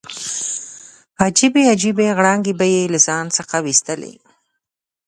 عجیبې عجیبې غړانګې به یې له ځان څخه ویستلې.